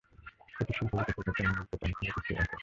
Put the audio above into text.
কুটির শিল্প বিকাশের ক্ষেত্রেও নাঙ্গলকোট অনেকখানি পিছিয়ে আছে।